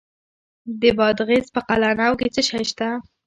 د بادغیس په قلعه نو کې څه شی شته؟